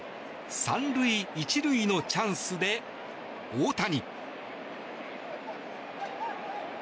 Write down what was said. ３塁１塁のチャンスで大谷。